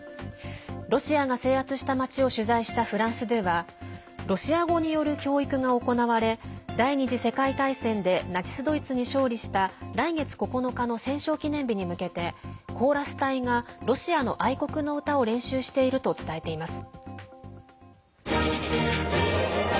ロシアが制圧した町を取材したフランス２はロシア語による教育が行われ第２次世界大戦でナチス・ドイツに勝利した来月９日の戦勝記念日に向けてコーラス隊がロシアの愛国の歌を練習していると伝えています。